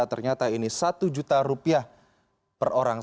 ternyata ini satu juta rupiah per orang